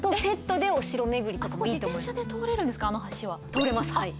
通れますはい。